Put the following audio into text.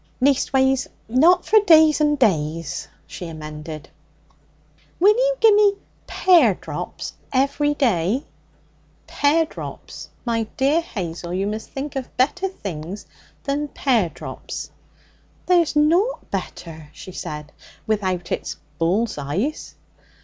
'Leastways, not for days an' days,' she amended. 'Will you gi' me pear drops every day?' 'Pear drops! My dear Hazel, you must think of better things than pear drops!' 'There's nought better,' she said, 'without it's bull's eyes.'